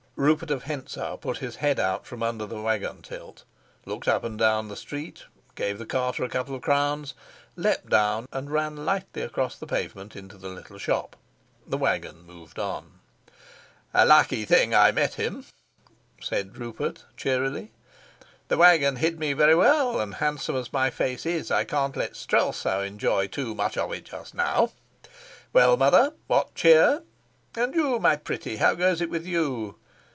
Rupert of Hentzau put his head out from under the wagon tilt, looked up and down the street, gave the carter a couple of crowns, leapt down, and ran lightly across the pavement into the little shop. The wagon moved on. "A lucky thing I met him," said Rupert cheerily. "The wagon hid me very well; and handsome as my face is, I can't let Strelsau enjoy too much of it just now. Well, mother, what cheer? And you, my pretty, how goes it with you?"